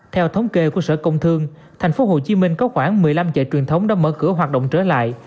theo thống kê của sở công thương thành phố hồ chí minh có khoảng một mươi năm chợ truyền thống đã mở cửa hoạt động trở lại